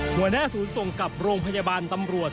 หัวหน้าศูนย์ส่งกับโรงพยาบาลตำรวจ